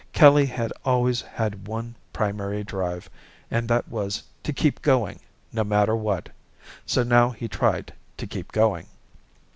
Kelly had always had one primary drive, and that was to keep going, no matter what. So now he tried to keep going.